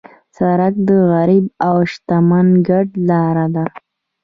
سړک د غریب او شتمن ګډه لار ده.